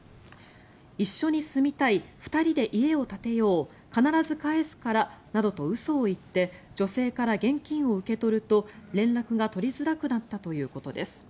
一緒に住みたい２人で家を建てよう必ず返すからなどと嘘を言って女性から現金を受け取ると連絡が取りづらくなったということです。